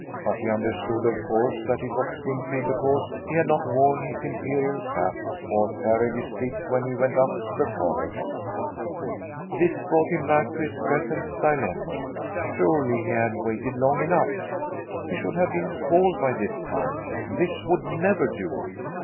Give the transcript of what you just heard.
But he understood of course that it was simply because he had not worn his imperial cap or carried his stick when he went up to the forest. This brought him back to his present dilemma. Surely he had waited long enough! He should have been called by this time. This would never do!